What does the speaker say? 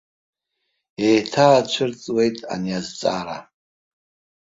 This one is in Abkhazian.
Еиҭаацәырҵуеит ани азҵаара.